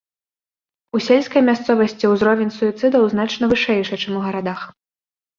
У сельскай мясцовасці ўзровень суіцыдаў значна вышэйшы, чым у гарадах.